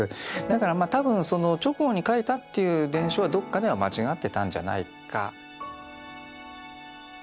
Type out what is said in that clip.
だからまあ多分その直後に描いたっていう伝承はどっかでは間違ってたんじゃないか。